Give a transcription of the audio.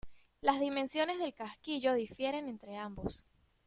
Las dimensiones del casquillo difieren entre ambos.